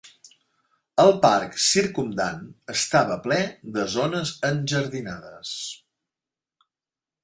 El parc circumdant estava ple de zones enjardinades.